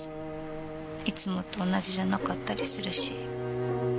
いつもと同じじゃなかったりするし。